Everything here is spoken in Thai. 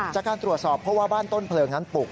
จากการตรวจสอบเพราะว่าบ้านต้นเพลิงนั้นปลุก